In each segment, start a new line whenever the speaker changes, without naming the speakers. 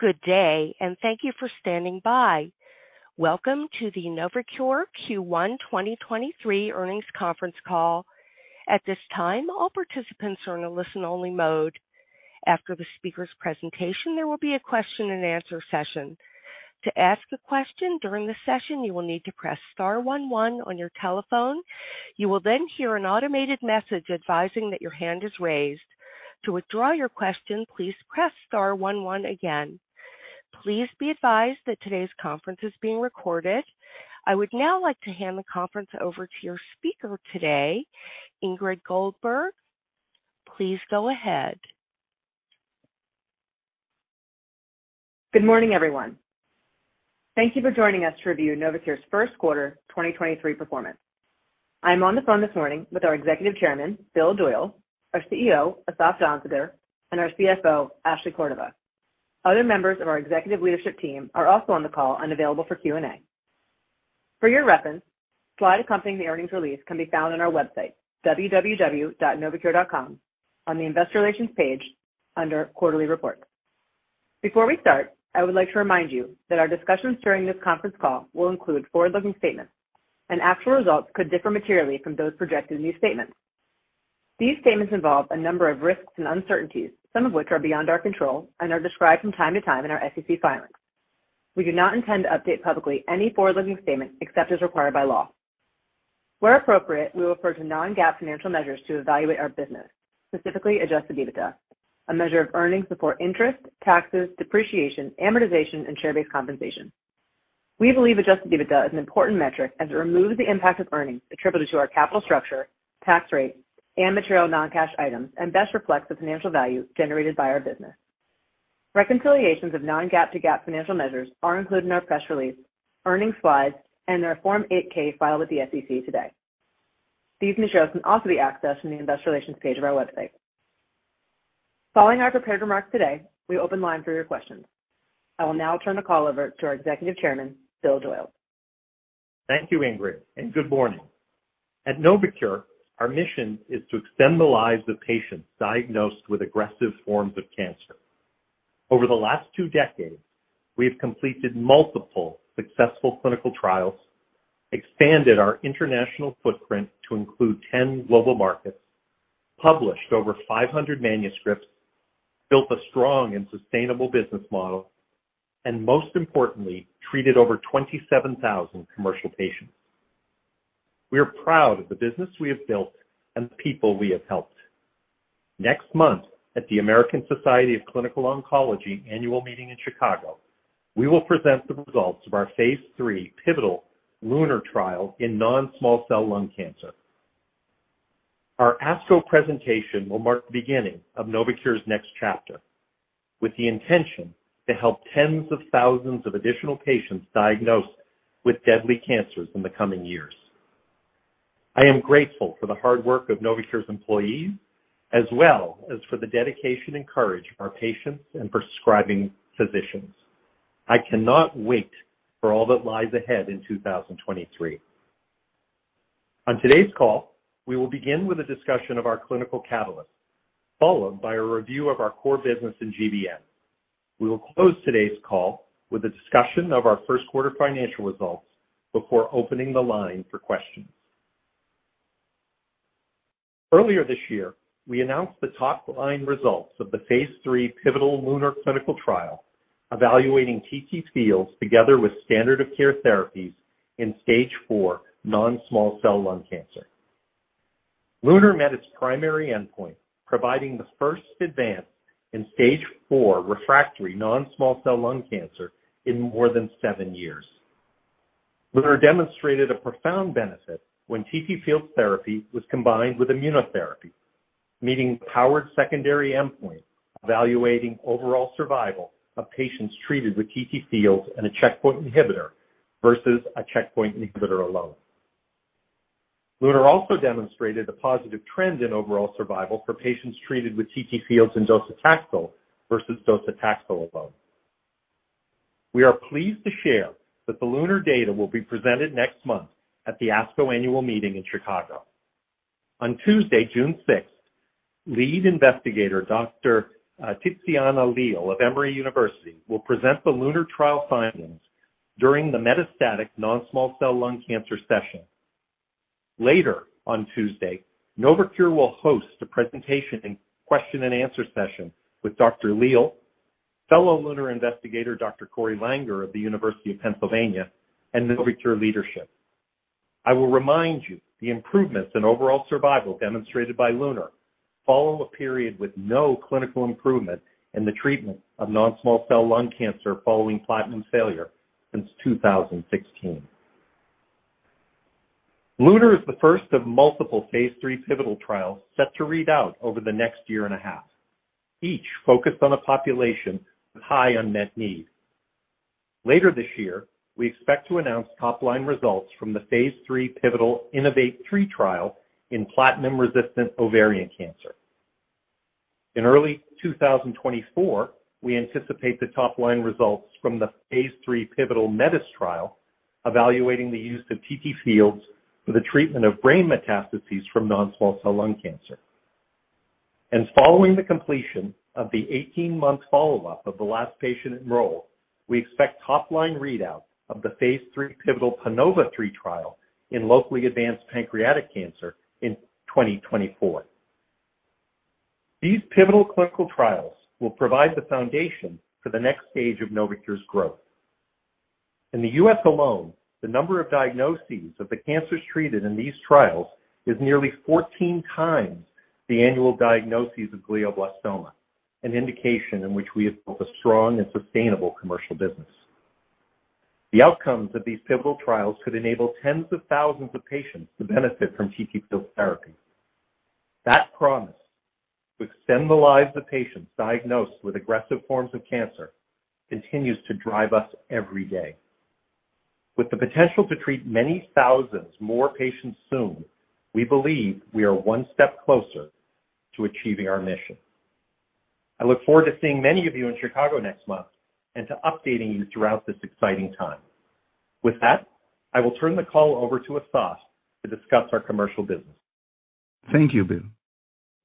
Good day. Thank you for standing by. Welcome to the NovoCure Q1 2023 earnings conference call. At this time, all participants are in a listen-only mode. After the speaker's presentation, there will be a question-and-answer session. To ask a question during the session, you will need to press star one one on your telephone. You will then hear an automated message advising that your hand is raised. To withdraw your question, please press star one one again. Please be advised that today's conference is being recorded. I would now like to hand the conference over to your speaker today, Ingrid Goldberg. Please go ahead.
Good morning, everyone. Thank you for joining us to review NovoCure's first quarter 2023 performance. I'm on the phone this morning with our Executive Chairman, Bill Doyle, our CEO, Asaf Danziger, and our CFO, Ashley Cordova. Other members of our executive leadership team are also on the call and available for Q&A. For your reference, slides accompanying the earnings release can be found on our website, www.novocure.com, on the Investor Relations page under Quarterly Reports. Before we start, I would like to remind you that our discussions during this conference call will include forward-looking statements, and actual results could differ materially from those projected in these statements. These statements involve a number of risks and uncertainties, some of which are beyond our control and are described from time to time in our SEC filings. We do not intend to update publicly any forward-looking statements except as required by law.
Where appropriate, we refer to non-GAAP financial measures to evaluate our business, specifically adjusted EBITDA, a measure of earnings before interest, taxes, depreciation, amortization, and share-based compensation. We believe adjusted EBITDA is an important metric as it removes the impact of earnings attributed to our capital structure, tax rate, and material non-cash items and best reflects the financial value generated by our business. Reconciliations of non-GAAP to GAAP financial measures are included in our press release, earnings slides, and our Form 8-K filed with the SEC today. These measures can also be accessed in the Investor Relations page of our website. Following our prepared remarks today, we open the line for your questions. I will now turn the call over to our Executive Chairman, Bill Doyle.
Thank you, Ingrid, and good morning. At NovoCure, our mission is to extend the lives of patients diagnosed with aggressive forms of cancer. Over the last two decades, we have completed multiple successful clinical trials, expanded our international footprint to include 10 global markets, published over 500 manuscripts, built a strong and sustainable business model, and most importantly, treated over 27,000 commercial patients. We are proud of the business we have built and the people we have helped. Next month at the American Society of Clinical Oncology annual meeting in Chicago, we will present the results of our phase III pivotal LUNAR trial in non-small cell lung cancer. Our ASCO presentation will mark the beginning of NovoCure's next chapter with the intention to help tens of thousands of additional patients diagnosed with deadly cancers in the coming years. I am grateful for the hard work of NovoCure's employees as well as for the dedication and courage of our patients and prescribing physicians. I cannot wait for all that lies ahead in 2023. On today's call, we will begin with a discussion of our clinical catalyst, followed by a review of our core business in GBM. We will close today's call with a discussion of our first quarter financial results before opening the line for questions. Earlier this year, we announced the top-line results of the phase III pivotal LUNAR clinical trial evaluating TTFields together with standard of care therapies in stage 4 non-small cell lung cancer. LUNAR met its primary endpoint, providing the first advance in stage 4 refractory non-small cell lung cancer in more than seven years. LUNAR demonstrated a profound benefit when TTFields therapy was combined with immunotherapy, meeting the powered secondary endpoint evaluating overall survival of patients treated with TTFields and a checkpoint inhibitor versus a checkpoint inhibitor alone. LUNAR also demonstrated a positive trend in overall survival for patients treated with TTFields and docetaxel versus docetaxel alone. We are pleased to share that the LUNAR data will be presented next month at the ASCO annual meeting in Chicago. On Tuesday, June 6, lead investigator Dr. Ticiana Leal of Emory University will present the LUNAR trial findings during the metastatic non-small cell lung cancer session. Later on Tuesday, NovoCure will host a presentation and question-and-answer session with Dr. Leal, fellow LUNAR investigator Dr. Corey Langer of the University of Pennsylvania, and NovoCure leadership. I will remind you the improvements in overall survival demonstrated by LUNAR follow a period with no clinical improvement in the treatment of non-small cell lung cancer following platinum failure since 2016. LUNAR is the first of multiple phase III pivotal trials set to read out over the next year and a half, each focused on a population with high unmet need. Later this year, we expect to announce top-line results from the phase III pivotal INOVATE-3 trial in platinum-resistant ovarian cancer. In early 2024, we anticipate the top-line results from the phase III pivotal METIS trial evaluating the use of TTFields for the treatment of brain metastases from non-small cell lung cancer. Following the completion of the 18-month follow-up of the last patient enrolled, we expect top-line readout of the phase III pivotal PANOVA-3 trial in locally advanced pancreatic cancer in 2024. These pivotal clinical trials will provide the foundation for the next stage of NovoCure's growth. In the U.S. alone, the number of diagnoses of the cancers treated in these trials is nearly 14 times the annual diagnoses of glioblastoma, an indication in which we have built a strong and sustainable commercial business. The outcomes of these pivotal trials could enable tens of thousands of patients to benefit from TTFields therapy. That promise to extend the lives of patients diagnosed with aggressive forms of cancer continues to drive us every day. With the potential to treat many thousands more patients soon, we believe we are one step closer to achieving our mission. I look forward to seeing many of you in Chicago next month and to updating you throughout this exciting time. With that, I will turn the call over to Asaf to discuss our commercial business.
Thank you, Bill.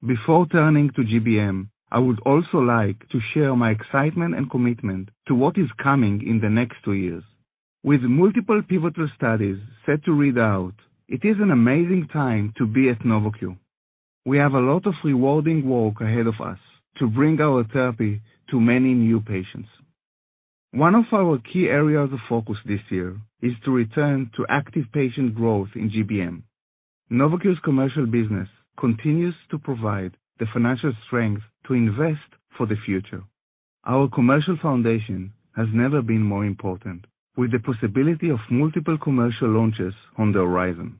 Before turning to GBM, I would also like to share my excitement and commitment to what is coming in the next two years. With multiple pivotal studies set to read out, it is an amazing time to be at NovoCure. We have a lot of rewarding work ahead of us to bring our therapy to many new patients. One of our key areas of focus this year is to return to active patient growth in GBM. NovoCure's commercial business continues to provide the financial strength to invest for the future. Our commercial foundation has never been more important, with the possibility of multiple commercial launches on the horizon.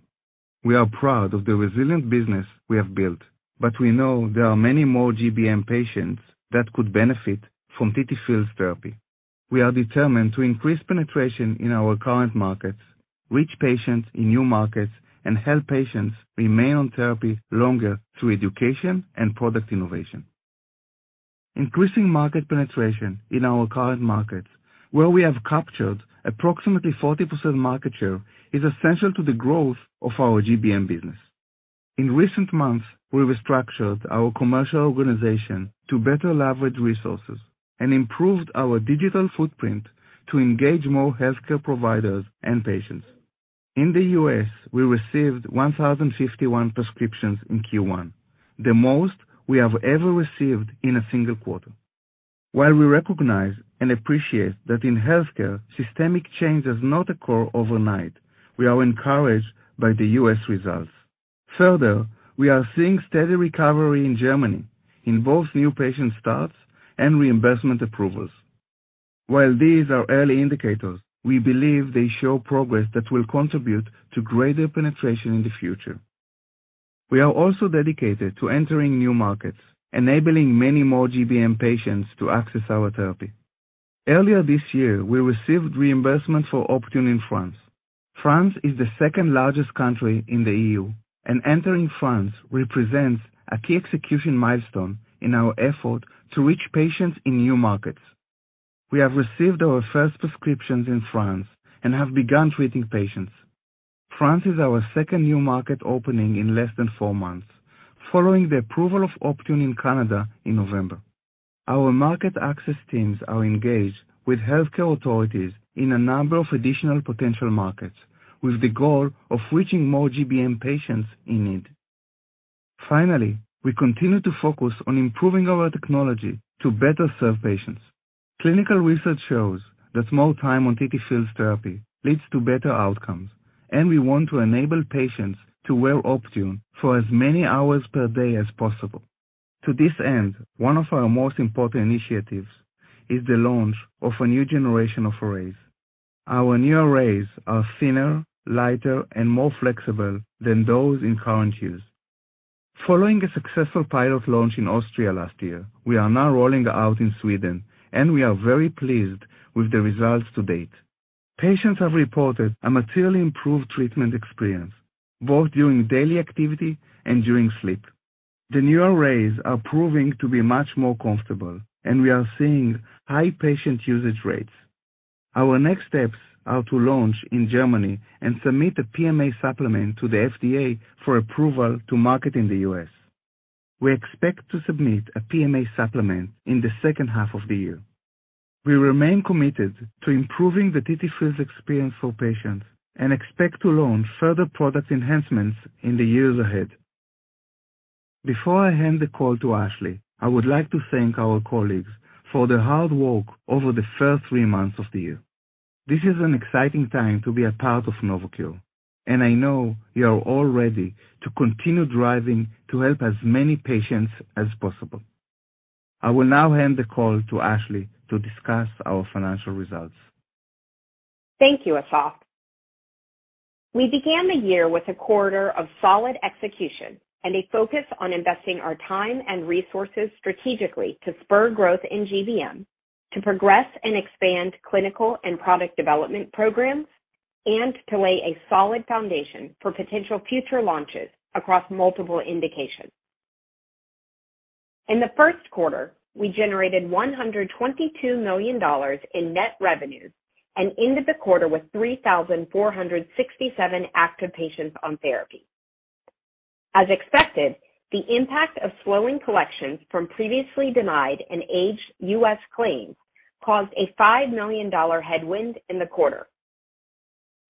We are proud of the resilient business we have built, but we know there are many more GBM patients that could benefit from TTFields therapy. We are determined to increase penetration in our current markets, reach patients in new markets, and help patients remain on therapy longer through education and product innovation. Increasing market penetration in our current markets, where we have captured approximately 40% market share, is essential to the growth of our GBM business. In recent months, we restructured our commercial organization to better leverage resources and improved our digital footprint to engage more healthcare providers and patients. In the U.S., we received 1,051 prescriptions in Q1, the most we have ever received in a single quarter. While we recognize and appreciate that in healthcare, systemic change does not occur overnight, we are encouraged by the U.S. results. Further, we are seeing steady recovery in Germany in both new patient starts and reimbursement approvals. While these are early indicators, we believe they show progress that will contribute to greater penetration in the future. We are also dedicated to entering new markets, enabling many more GBM patients to access our therapy. Earlier this year, we received reimbursement for Optune in France. France is the second-largest country in the EU. Entering France represents a key execution milestone in our effort to reach patients in new markets. We have received our first prescriptions in France and have begun treating patients. France is our second new market opening in less than four months, following the approval of Optune in Canada in November. Our market access teams are engaged with healthcare authorities in a number of additional potential markets, with the goal of reaching more GBM patients in need. Finally, we continue to focus on improving our technology to better serve patients. Clinical research shows that more time on TTFields therapy leads to better outcomes, and we want to enable patients to wear Optune for as many hours per day as possible. To this end, one of our most important initiatives is the launch of a new generation of arrays. Our new arrays are thinner, lighter, and more flexible than those in current use. Following a successful pilot launch in Austria last year, we are now rolling out in Sweden, and we are very pleased with the results to date. Patients have reported a materially improved treatment experience, both during daily activity and during sleep. The new arrays are proving to be much more comfortable and we are seeing high patient usage rates. Our next steps are to launch in Germany and submit a PMA supplement to the FDA for approval to market in the U.S. We expect to submit a PMA supplement in the second half of the year. We remain committed to improving the TTFields experience for patients and expect to launch further product enhancements in the years ahead. Before I hand the call to Ashley, I would like to thank our colleagues for their hard work over the first three months of the year. This is an exciting time to be a part of NovoCure, and I know you are all ready to continue driving to help as many patients as possible. I will now hand the call to Ashley to discuss our financial results.
Thank you, Asaf. We began the year with a quarter of solid execution and a focus on investing our time and resources strategically to spur growth in GBM, to progress and expand clinical and product development programs, and to lay a solid foundation for potential future launches across multiple indications. In the first quarter, we generated $122 million in net revenue and ended the quarter with 3,467 active patients on therapy. As expected, the impact of slowing collections from previously denied and aged U.S. claims caused a $5 million headwind in the quarter.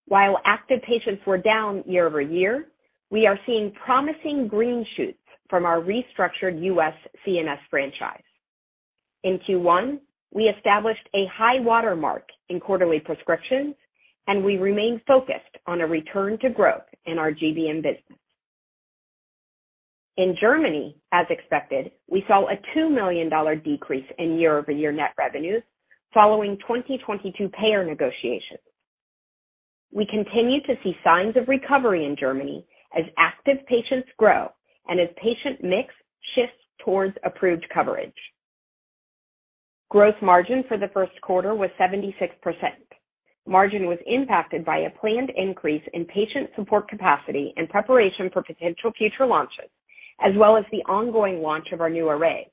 While active patients were down year-over-year, we are seeing promising green shoots from our restructured U.S. CNS franchise. In Q1, we established a high-water mark in quarterly prescriptions, and we remain focused on a return to growth in our GBM business. In Germany, as expected, we saw a $2 million decrease in year-over-year net revenues following 2022 payer negotiations. We continue to see signs of recovery in Germany as active patients grow and as patient mix shifts towards approved coverage. Gross margin for the first quarter was 76%. Margin was impacted by a planned increase in patient support capacity in preparation for potential future launches, as well as the ongoing launch of our new array.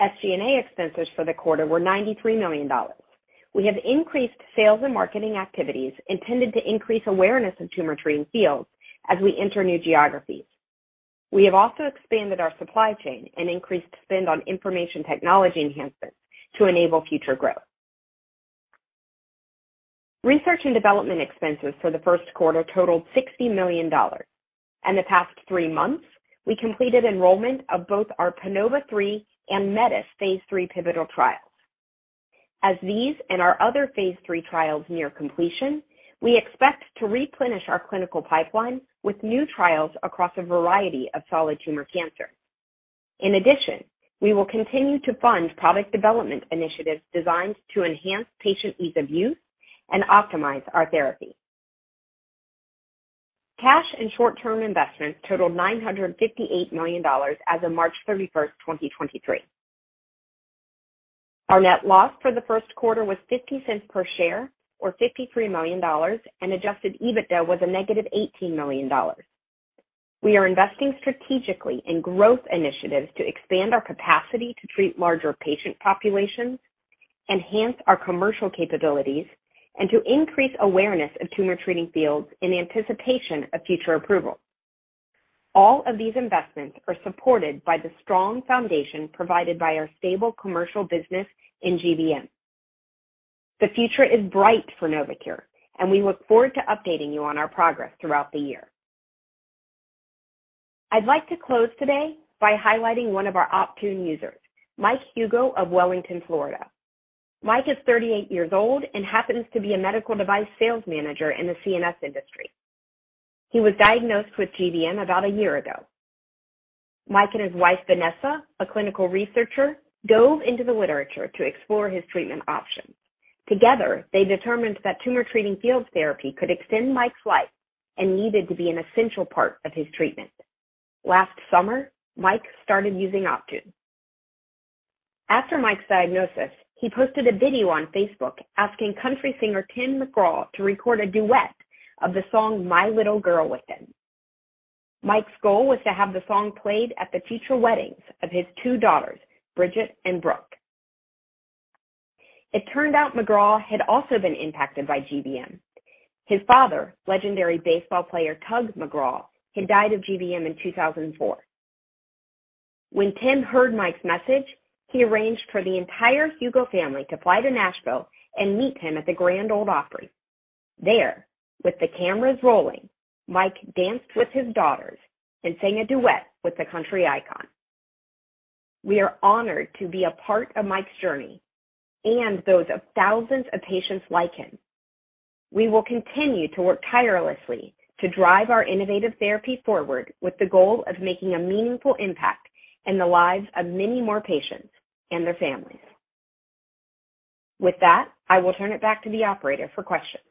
SG&A expenses for the quarter were $93 million. We have increased sales and marketing activities intended to increase awareness of Tumor Treating Fields as we enter new geographies. We have also expanded our supply chain and increased spend on information technology enhancements to enable future growth. Research and development expenses for the first quarter totaled $60 million. In the past three months, we completed enrollment of both our PANOVA-3 and METIS phase III pivotal trials. As these and our other phase III trials near completion, we expect to replenish our clinical pipeline with new trials across a variety of solid tumor cancer. In addition, we will continue to fund product development initiatives designed to enhance patient ease of use and optimize our therapy. Cash and short-term investments totaled $958 million as of March 31st, 2023. Our net loss for the first quarter was $0.50 per share or $53 million, and adjusted EBITDA was a negative $18 million. We are investing strategically in growth initiatives to expand our capacity to treat larger patient populations, enhance our commercial capabilities, and to increase awareness of Tumor Treating Fields in anticipation of future approval. All of these investments are supported by the strong foundation provided by our stable commercial business in GBM. The future is bright for NovoCure, and we look forward to updating you on our progress throughout the year. I'd like to close today by highlighting one of our Optune users, Mike Hugo of Wellington, Florida. Mike is 38 years old and happens to be a medical device sales manager in the CNS industry. He was diagnosed with GBM about a year ago. Mike and his wife, Vanessa, a clinical researcher, dove into the literature to explore his treatment options. Together, they determined that Tumor Treating Fields therapy could extend Mike's life and needed to be an essential part of his treatment. Last summer, Mike started using Optune. After Mike's diagnosis, he posted a video on Facebook asking country singer Tim McGraw to record a duet of the song My Little Girl with him. Mike's goal was to have the song played at the future weddings of his two daughters, Bridgette and Brooke. It turned out McGraw had also been impacted by GBM. His father, legendary baseball player Tug McGraw, had died of GBM in 2004. When Tim heard Mike's message, he arranged for the entire Hugo family to fly to Nashville and meet him at the Grand Ole Opry. There, with the cameras rolling, Mike danced with his daughters and sang a duet with the country icon. We are honored to be a part of Mike's journey and those of thousands of patients like him. We will continue to work tirelessly to drive our innovative therapy forward with the goal of making a meaningful impact in the lives of many more patients and their families. With that, I will turn it back to the operator for questions.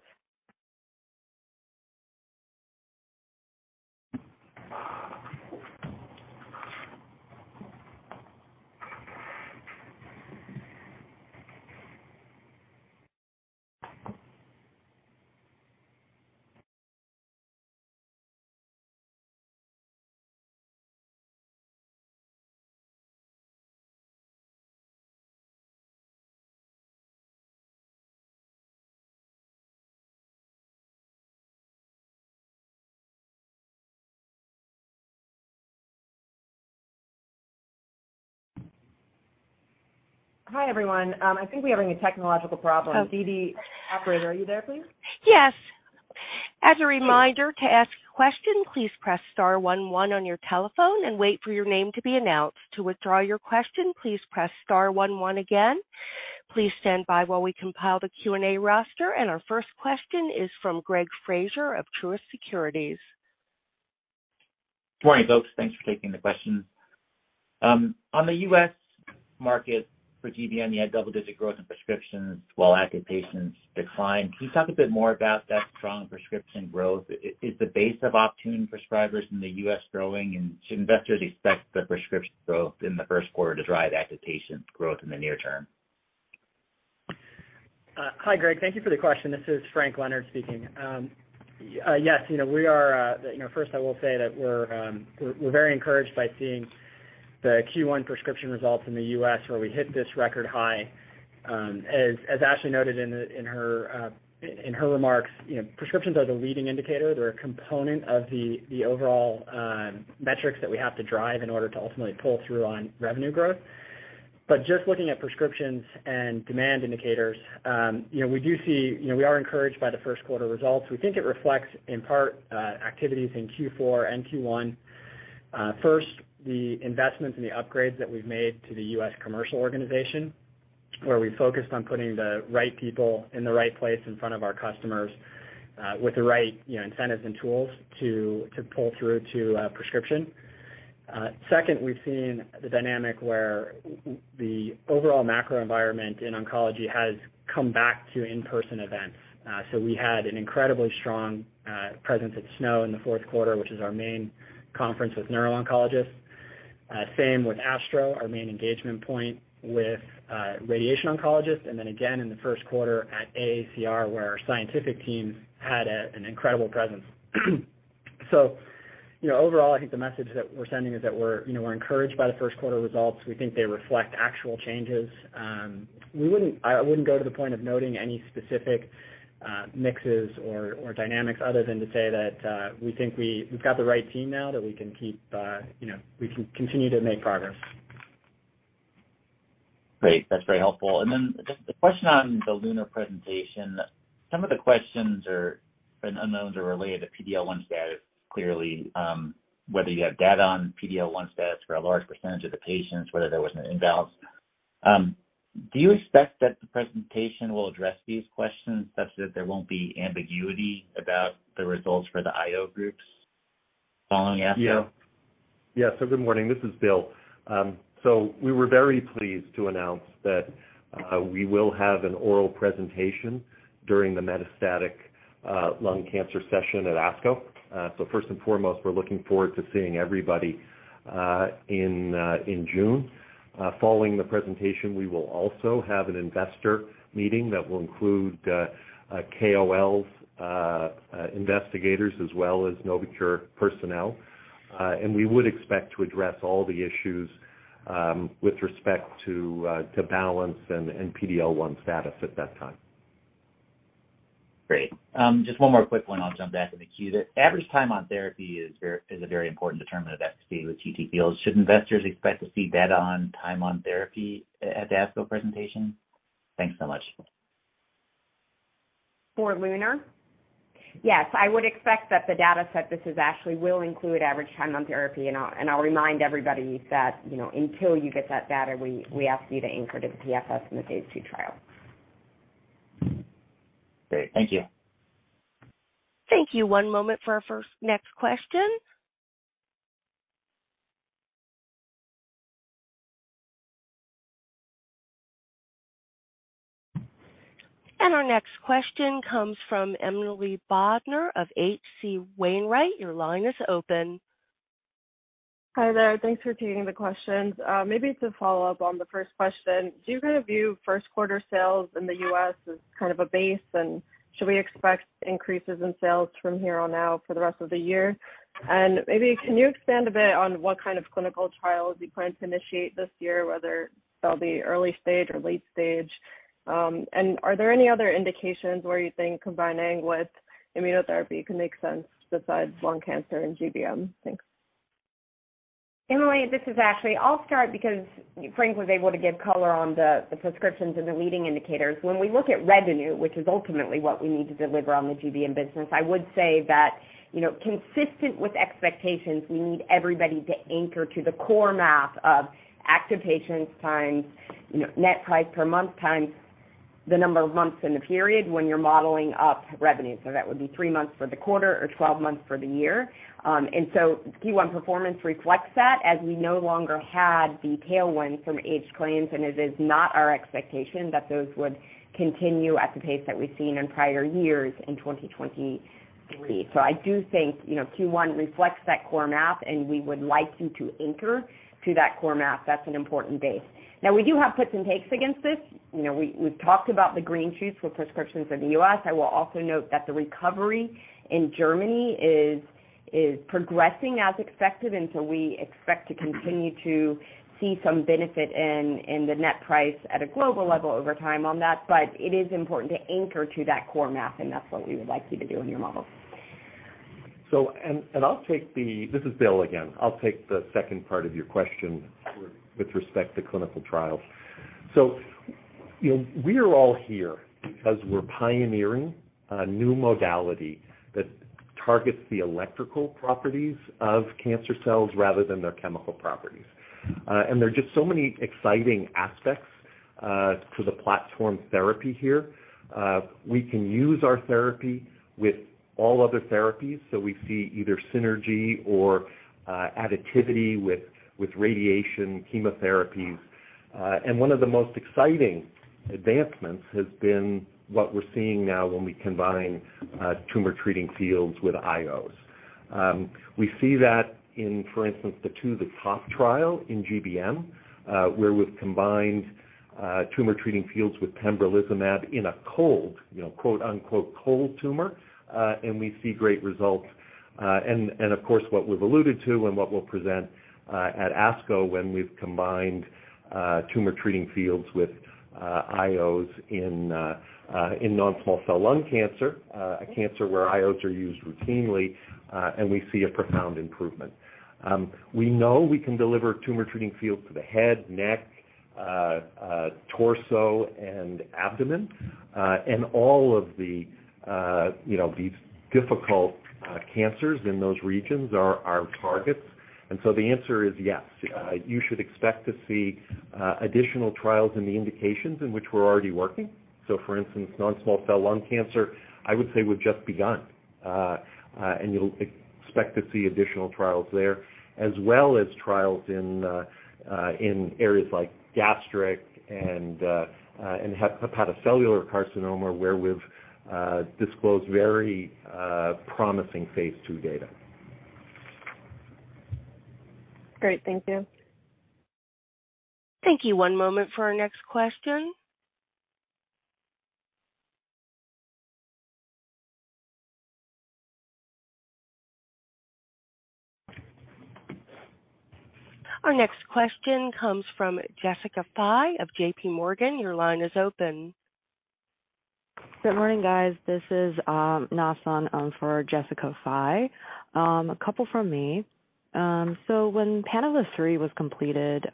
Hi, everyone. I think we're having a technological problem. Didi, Operator, are you there, please?
Yes. As a reminder, to ask a question, please press star one one on your telephone and wait for your name to be announced. To withdraw your question, please press star one one again. Please stand by while we compile the Q&A roster. Our first question is from Greg Fraser of Truist Securities.
Good morning, folks. Thanks for taking the questions. On the U.S. market for GBM, you had double-digit growth in prescriptions while active patients declined. Can you talk a bit more about that strong prescription growth? Is the base of Optune prescribers in the U.S. growing? Should investors expect the prescription growth in the first quarter to drive active patient growth in the near term?
Hi, Greg. Thank you for the question. This is Frank Leonard speaking. Yes, you know, we are, you know, first I will say that we're very encouraged by seeing the Q1 prescription results in the U.S., where we hit this record high. As Ashley noted in her remarks, you know, prescriptions are the leading indicator. They're a component of the overall metrics that we have to drive in order to ultimately pull through on revenue growth. Just looking at prescriptions and demand indicators, you know, we do see. You know, we are encouraged by the first quarter results. We think it reflects in part, activities in Q4 and Q1. First, the investments and the upgrades that we've made to the U.S. commercial organization, where we focused on putting the right people in the right place in front of our customers, with the right, you know, incentives and tools to pull through to prescription. Second, we've seen the dynamic where the overall macro environment in oncology has come back to in-person events. We had an incredibly strong presence at SNO in the fourth quarter, which is our main conference with neuro-oncologists. Same with ASTRO, our main engagement point with radiation oncologists. Again in the first quarter at AACR, where our scientific teams had an incredible presence. You know, overall, I think the message that we're sending is that we're, you know, encouraged by the first quarter results. We think they reflect actual changes. I wouldn't go to the point of noting any specific mixes or dynamics other than to say that we think we've got the right team now that we can keep, you know, we can continue to make progress.
Great. That's very helpful. The question on the LUNAR presentation, some of the questions and unknowns are related to PDL1 status, clearly, whether you have data on PDL1 status for a large percentage of the patients, whether there was an imbalance. Do you expect that the presentation will address these questions such that there won't be ambiguity about the results for the IO groups following ASCO?
Yeah. Yeah. Good morning. This is Bill. We were very pleased to announce that we will have an oral presentation during the metastatic lung cancer session at ASCO. First and foremost, we're looking forward to seeing everybody in June. Following the presentation, we will also have an investor meeting that will include KOLs, investigators, as well as NovoCure personnel. We would expect to address all the issues with respect to balance and PDL1 status at that time.
Great. Just one more quick one, I'll jump back in the queue. The average time on therapy is a very important determinant of efficacy with TTFields. Should investors expect to see data on time on therapy at the ASCO presentation? Thanks so much.
For LUNAR? Yes, I would expect that the dataset, this is Ashley, will include average time on therapy. I'll remind everybody that, you know, until you get that data, we ask you to anchor to the PFS in the phase II trial.
Great. Thank you.
Thank you. One moment for our next question. Our next question comes from Emily Bodnar of H.C. Wainwright. Your line is open.
Hi there. Thanks for taking the questions. Maybe to follow up on the first question, do you kind of view first quarter sales in the U.S. as kind of a base? Should we expect increases in sales from here on out for the rest of the year? Maybe can you expand a bit on what kind of clinical trials you plan to initiate this year, whether they'll be early stage or late stage? Are there any other indications where you think combining with immunotherapy can make sense besides lung cancer and GBM? Thanks.
Emily, this is Ashley. I'll start because Frank was able to give color on the prescriptions and the leading indicators. When we look at revenue, which is ultimately what we need to deliver on the GBM business, I would say that, you know, consistent with expectations, we need everybody to anchor to the core math of active patients times, you know, net price per month times the number of months in the period when you're modeling up revenue. That would be three months for the quarter or 12 months for the year. Q1 performance reflects that, as we no longer had the tailwind from aged claims, and it is not our expectation that those would continue at the pace that we've seen in prior years in 2023. I do think, you know, Q1 reflects that core math, and we would like you to anchor to that core math. That's an important base. Now, we do have puts and takes against this. You know, we've talked about the green shoots with prescriptions in the U.S. I will also note that the recovery in Germany is progressing as expected, we expect to continue to see some benefit in the net price at a global level over time on that. It is important to anchor to that core math, and that's what we would like you to do in your models.
This is Bill again. I'll take the second part of your question with respect to clinical trials. You know, we are all here because we're pioneering a new modality that targets the electrical properties of cancer cells rather than their chemical properties. There are just so many exciting aspects to the platform therapy here. We can use our therapy with all other therapies, so we see either synergy or additivity with radiation chemotherapies. One of the most exciting advancements has been what we're seeing now when we combine Tumor Treating Fields with IOs. We see that in, for instance, the two, the top trial in GBM, where we've combined Tumor Treating Fields with pembrolizumab in a cold, you know quote-unquote, "cold tumor," and we see great results. Of course, what we've alluded to and what we'll present at ASCO when we've combined Tumor Treating Fields with IOs in non-small cell lung cancer, a cancer where IOs are used routinely, and we see a profound improvement. We know we can deliver Tumor Treating Fields to the head, neck, torso, and abdomen. All of the, you know, these difficult cancers in those regions are our targets. The answer is yes. You should expect to see additional trials in the indications in which we're already working. For instance, non-small cell lung cancer, I would say we've just begun. You'll expect to see additional trials there, as well as trials in areas like gastric and hepatocellular carcinoma, where we've disclosed very promising phase II data.
Great. Thank you.
Thank you. One moment for our next question. Our next question comes from Jessica Fye of J.P. Morgan. Your line is open.
Good morning, guys. This is Na Sun on for Jessica Fye. A couple from me. When PANOVA-3 was completed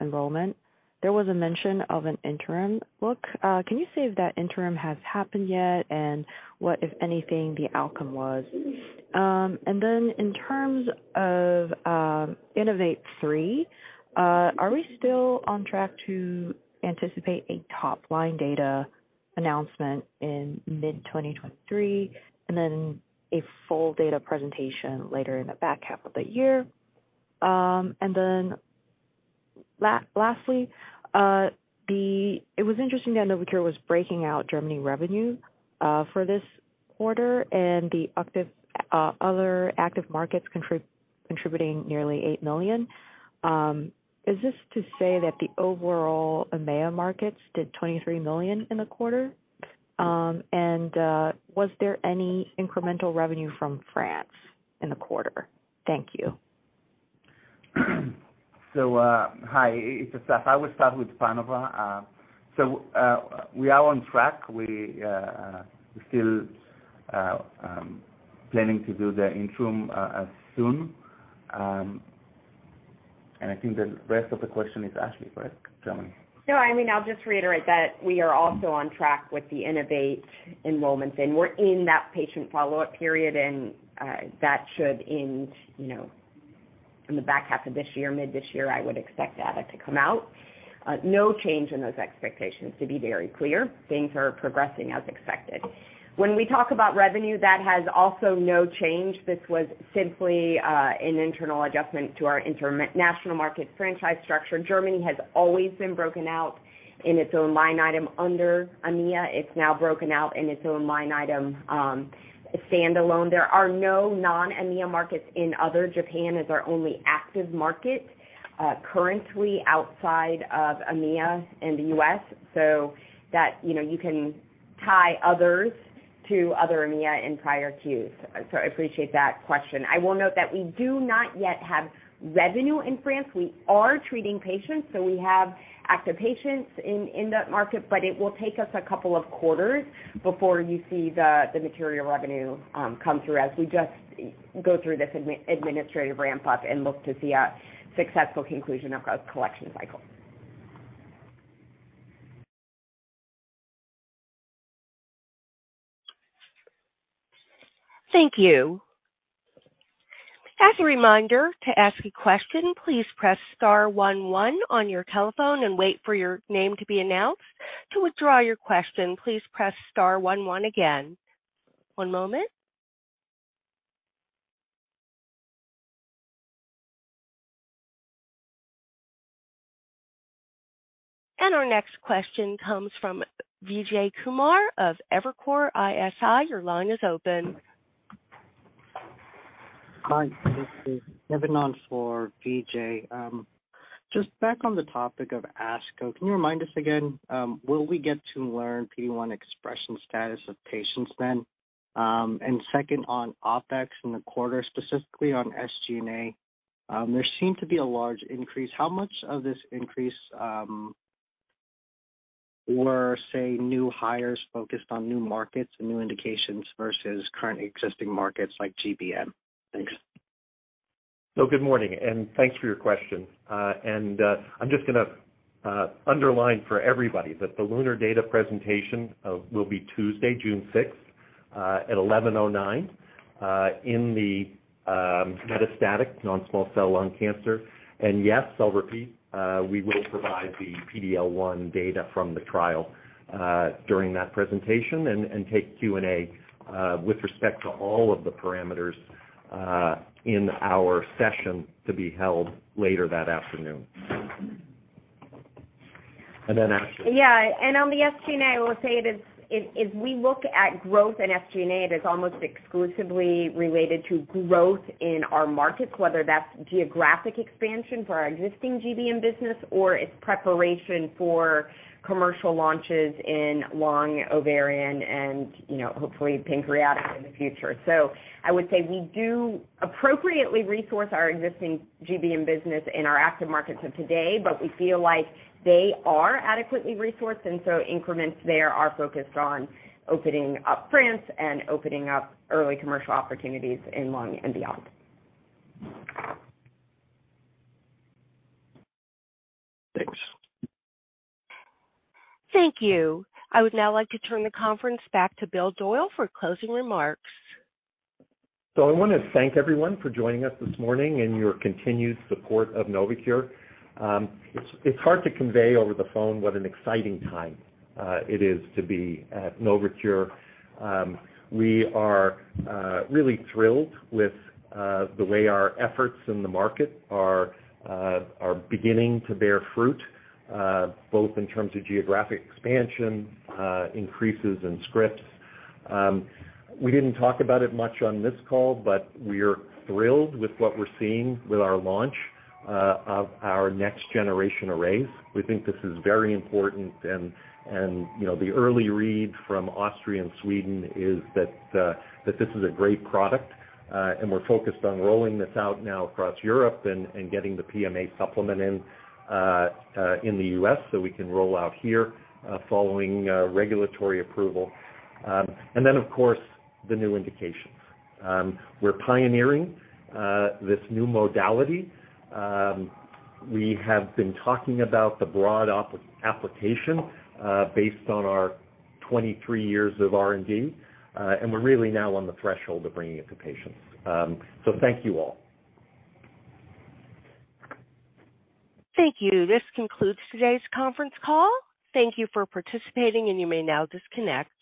enrollment, there was a mention of an interim look. Can you say if that interim has happened yet, and what, if anything, the outcome was? In terms of INOVATE-3, are we still on track to anticipate a top-line data announcement in mid-2023, and then a full data presentation later in the back half of the year? Lastly, it was interesting that NovoCure was breaking out Germany revenue for this quarter and the other active markets contributing nearly $8 million. Is this to say that the overall EMEA markets did $23 million in the quarter? Was there any incremental revenue from France in the quarter? Thank you.
Hi, it's Asaf. I will start with PANOVA-3. We are on track. We still planning to do the interim soon. I think the rest of the question is Ashley, correct? Germany.
I mean, I'll just reiterate that we are also on track with the INOVATE-3 enrollments, we're in that patient follow-up period, and that should end, you know, in the back half of this year, mid this year, I would expect data to come out. No change in those expectations, to be very clear. Things are progressing as expected. When we talk about revenue, that has also no change. This was simply an internal adjustment to our international market franchise structure. Germany has always been broken out in its own line item under EMEA. It's now broken out in its own line item, standalone. There are no non-EMEA markets in other. Japan is our only active market, currently outside of EMEA and the U.S., so that, you know, you can tie others to other EMEA in prior Qs. I appreciate that question. I will note that we do not yet have revenue in France. We are treating patients. We have active patients in that market. It will take us a couple of quarters before you see the material revenue come through as we just go through this administrative ramp-up and look to see a successful conclusion of a collection cycle.
Thank you. As a reminder, to ask a question, please press star one one on your telephone and wait for your name to be announced. To withdraw your question, please press star one one again. One moment. Our next question comes from Vijay Kumar of Evercore ISI. Your line is open.
Hi, this is on for Vijay Kumar. Just back on the topic of ASCO, can you remind us again, will we get to learn PD-1 expression status of patients then? Second on OpEx in the quarter, specifically on SG&A, there seemed to be a large increase. How much of this increase were new hires focused on new markets and new indications versus current existing markets like GBM?
Thanks. Good morning, thanks for your question. I'm just gonna underline for everybody that the LUNAR data presentation will be Tuesday, June 6th, at 11:09 A.M. in the metastatic non-small cell lung cancer. Yes, I'll repeat, we will provide the PDL1 data from the trial during that presentation and take Q&A with respect to all of the parameters in our session to be held later that afternoon.
On the SG&A, I will say it is, as we look at growth in SG&A, it is almost exclusively related to growth in our markets, whether that's geographic expansion for our existing GBM business or it's preparation for commercial launches in lung, ovarian, and, you know, hopefully pancreatic in the future. I would say we do appropriately resource our existing GBM business in our active markets of today, but we feel like they are adequately resourced. Increments there are focused on opening up France and opening up early commercial opportunities in lung and beyond.
Thanks.
Thank you. I would now like to turn the conference back to Bill Doyle for closing remarks.
I wanna thank everyone for joining us this morning and your continued support of NovoCure. It's, it's hard to convey over the phone what an exciting time it is to be at NovoCure. We are really thrilled with the way our efforts in the market are beginning to bear fruit, both in terms of geographic expansion, increases in scripts. We didn't talk about it much on this call, but we're thrilled with what we're seeing with our launch of our next generation arrays. We think this is very important and, you know, the early read from Austria and Sweden is that this is a great product, and we're focused on rolling this out now across Europe and getting the PMA supplement in the U.S. so we can roll out here, following regulatory approval. Of course, the new indications. We're pioneering this new modality. We have been talking about the broad application, based on our 23 years of R&D, and we're really now on the threshold of bringing it to patients. Thank you all.
Thank you. This concludes today's conference call. Thank you for participating and you may now disconnect.